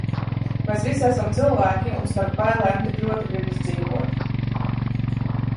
Mēs visi esam cilvēki un starp bailēm tik ļoti gribas dzīvot.